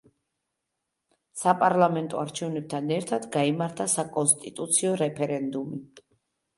საპარლამენტო არჩევნებთან ერთად გაიმართა საკონსტიტუციო რეფერენდუმი.